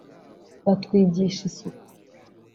batwigisha isuku